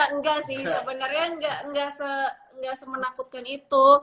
enggak sih sebenarnya nggak semenakutkan itu